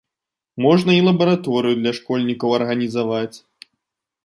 Можна і лабараторыю для школьнікаў арганізаваць.